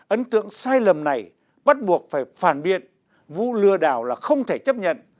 ấn tượng sai lầm này bắt buộc phải phản biệt vũ lừa đảo là không thể chấp nhận